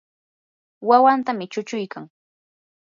wawantami chuchuykan.